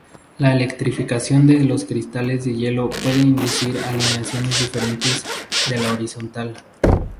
La electrificación de los cristales de hielo puede inducir alineaciones diferentes de la horizontal.